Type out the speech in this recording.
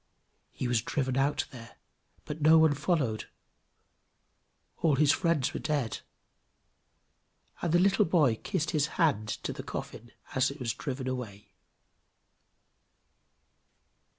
He was driven out there, but no one followed; all his friends were dead, and the little boy kissed his hand to the coffin as it was driven away.